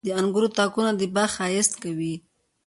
• د انګورو تاکونه د باغ ښایست کوي.